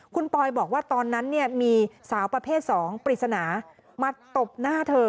คุณปอยบอกว่าตอนนั้นมีสาวประเภท๒ปริศนามาตบหน้าเธอ